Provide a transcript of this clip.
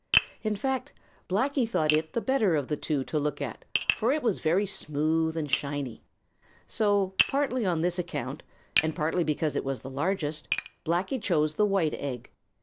In fact, Blacky thought it the better of the two to look at, for it was very smooth and shiny. So, partly on this account, and partly because it was the largest, Blacky chose the white egg.